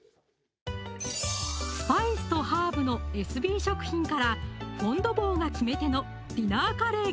スパイスとハーブのエスビー食品からフォン・ド・ボーが決め手の「ディナーカレー」